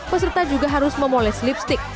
peserta juga harus memoles lipstick